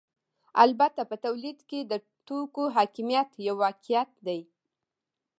البته په تولید کې د توکو حاکمیت یو واقعیت دی